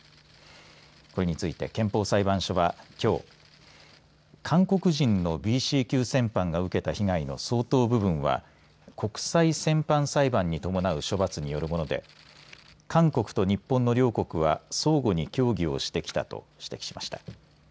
これについて憲法裁判所はきょう韓国人のＢＣ級戦犯が受けた被害の相当部分は国際戦犯裁判に伴う処罰によるもので韓国と日本の両国は相互に協議をしてきたと指摘しました。